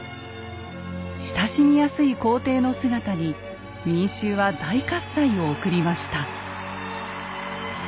親しみやすい皇帝の姿に民衆は大喝采を送りました。